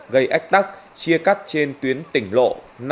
gây ách tắc chia cắt trên tuyến tỉnh lộ năm trăm năm mươi một